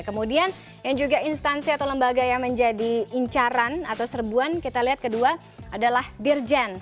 kemudian yang juga instansi atau lembaga yang menjadi incaran atau serbuan kita lihat kedua adalah dirjen